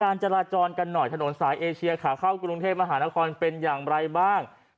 การจราจรกันหน่อยถนนสายเอเชียขาเข้ากรุงเทพมหานครเป็นอย่างไรบ้าง